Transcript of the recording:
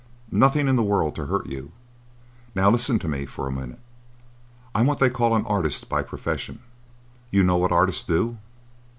"Nothing in the world to hurt you. Now listen to me for a minute. I'm what they call an artist by profession. You know what artists do?"